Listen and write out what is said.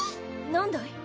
何だい？